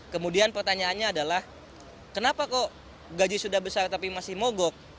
kemudian pertanyaannya adalah kenapa kok gaji sudah besar tapi masih mogok